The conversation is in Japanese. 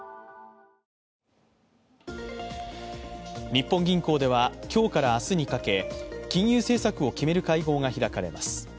日本銀行では今日から明日にかけ、金融政策を決める会合が開かれます。